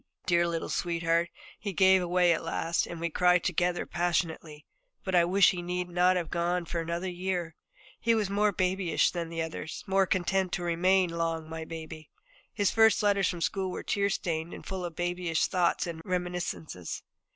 Dear little sweetheart, he gave way at last, and we cried together passionately. But I wish he need not have gone for another year. He was more babyish than the others, more content to remain long my baby. His first letters from school were tear stained and full of babyish thoughts and reminiscences.